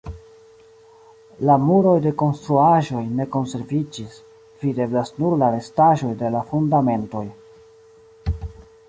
La muroj de konstruaĵoj ne konserviĝis; videblas nur la restaĵoj de la fundamentoj.